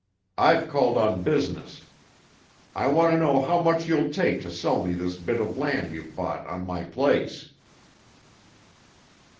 I've called on business. I want to know how much you'll take to sell me this bit of land you've bought on my place?"